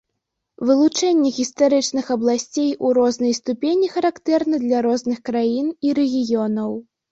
Вылучэнне гістарычных абласцей у рознай ступені характэрна для розных краін і рэгіёнаў.